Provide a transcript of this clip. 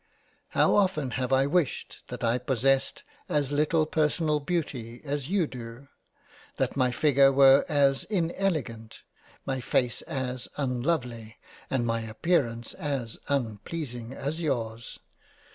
How often have I wished that I possessed as little personal Beauty as you do ; that my figure were as inelegant; my face as unlovely; and my appearance as unpleasing as yours